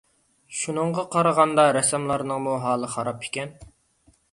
شۇنىڭغا قارىغاندا، رەسساملارنىڭمۇ ھالى خاراب ئىكەن.